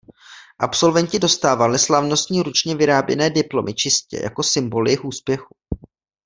Absolventi dostávali slavnostní ručně vyráběné diplomy čistě jako symboly jejich úspěchu.